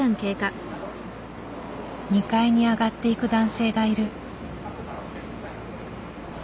２階に上がっていく男性がいる。